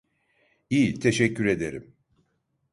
İyi, teşekkür ederim.